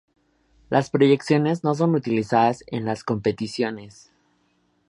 Las proyecciones no son utilizadas en las competiciones.